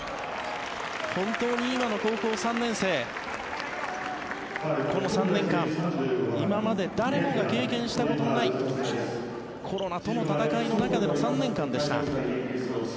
本当に今の高校３年生この３年間今まで誰もが経験したことのないコロナとの闘いの中での３年間でした。